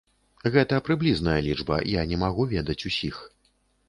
Гэта прыблізная лічба, я не магу ведаць ўсіх.